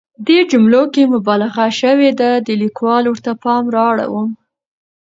دې جملو کې مبالغه شوې ده، د ليکوال ورته پام رااړوم.